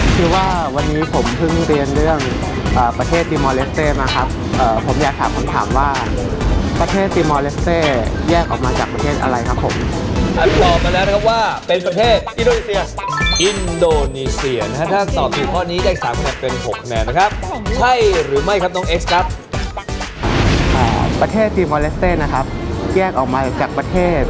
คือว่าวันนี้ผมเพิ่งเรียนเรื่องประเทศติมอเลสเต้มาครับผมอยากถามคำถามว่าประเทศติมอลเลสเต้แยกออกมาจากประเทศอะไรครับผมตอบมาแล้วนะครับว่าเป็นประเทศอินโดนีเซียอินโดนีเซียนะครับถ้าตอบถูกข้อนี้ได้สามคะแนนเป็น๖คะแนนนะครับใช่หรือไม่ครับน้องเอสครับประเทศติมอเลสเต้นะครับแยกออกมาจากประเทศ